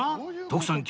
徳さん